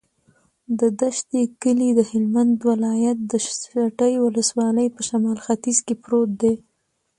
د دشټي کلی د هلمند ولایت، دشټي ولسوالي په شمال ختیځ کې پروت دی.